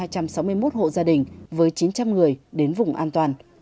công an đã đưa một trăm sáu mươi một hộ gia đình với chín trăm linh người đến vùng an toàn